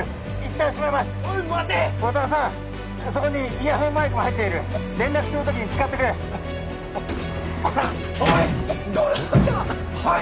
イヤホンマイクも入っている連絡する時に使ってくれおい！